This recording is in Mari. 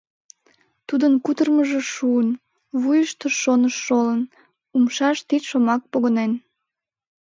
Тудын кутырымыжо шуын, вуйышто шоныш шолын, умшаж тич шомак погынен.